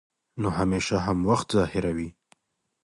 نو همېشه هم وخت ظاهروي